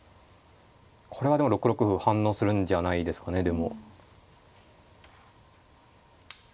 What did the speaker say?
これはでも６六歩反応するんじゃないですかねでも。